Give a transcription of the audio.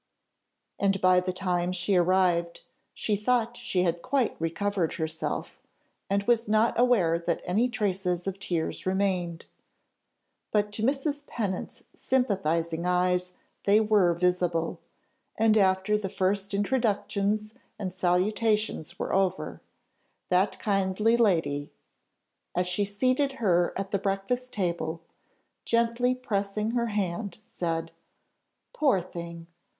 And by the time she arrived, she thought she had quite recovered herself, and was not aware that any traces of tears remained; but to Mrs. Pennant's sympathising eyes they were visible, and after the first introductions and salutations were over, that kind lady, as she seated her at the breakfast table, gently pressing her hand, said, "Poor thing!